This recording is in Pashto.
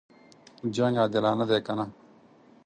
جنګ عادلانه دی کنه.